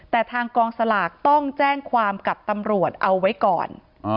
แต่ทางกองสลากต้องแจ้งความกับตำรวจเอาไว้ก่อน